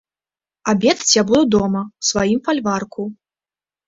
Абедаць я буду дома, у сваім фальварку.